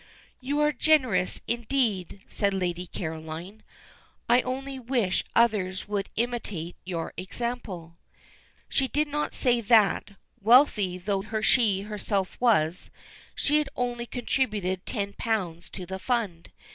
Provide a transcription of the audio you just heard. "You are generous, indeed," said Lady Caroline. "I only wish others would imitate your example." She did not say that, wealthy though she herself was, she had only contributed ten pounds to the fund.